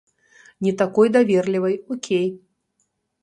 Не такой даверлівай, окей.